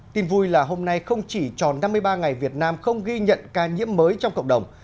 tin vui là hôm nay không chỉ tròn năm mươi ba ngày việt nam không ghi nhận ca nhiễm mới trong cộng đồng